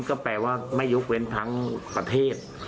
ก็แปลว่าไม่ยกเว้นทั้งประเทศ